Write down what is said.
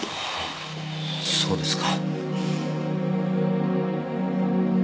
そうですか。